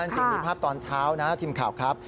จริงมีภาพตอนเช้านะทีมข่าวครับ